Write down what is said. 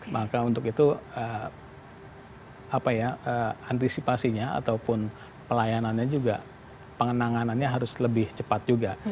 maka untuk itu antisipasinya ataupun pelayanannya juga penanganannya harus lebih cepat juga